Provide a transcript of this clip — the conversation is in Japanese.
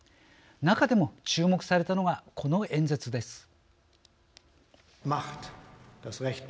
中でも注目されたのがこの演説です。